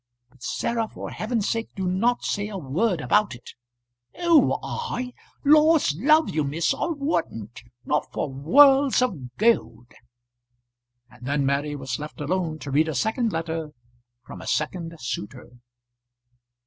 But, Sarah, for heaven's sake, do not say a word about it!" "Who, I? Laws love you, miss. I wouldn't; not for worlds of gold." And then Mary was left alone to read a second letter from a second suitor.